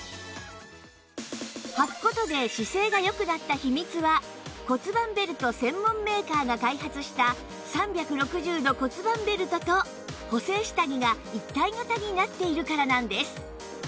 はく事で姿勢が良くなった秘密は骨盤ベルト専門メーカーが開発した３６０度骨盤ベルトと補整下着が一体型になっているからなんです